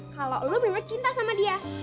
kalo lu bener bener cinta sama dia